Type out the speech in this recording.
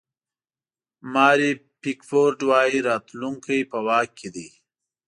ماري پیکفورډ وایي راتلونکی په واک کې دی.